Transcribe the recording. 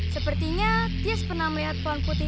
sepertinya tia pernah melihat pohon putih ini